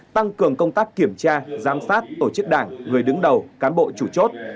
tăng cường công tác kiểm tra giám sát tổ chức đảng người đứng đầu cán bộ chủ chốt